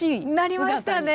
なりましたね